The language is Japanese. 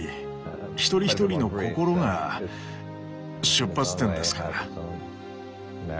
一人一人の心が出発点ですから。